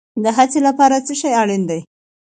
د هڅې لپاره څه شی اړین دی؟